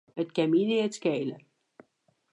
It kin my neat skele.